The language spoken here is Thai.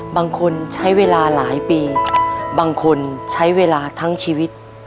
บางคนใช้เวลาหลายปีบางคนใช้เวลาทั้งชีวิต